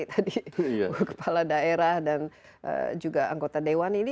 tadi kepala daerah dan juga anggota dewan ini